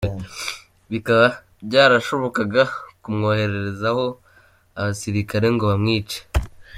Bikaba byarashobokaga kumwoherezaho abasirikare ngo bamwice.”